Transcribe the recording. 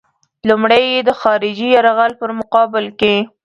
لومړی یې د خارجي یرغل په مقابل کې.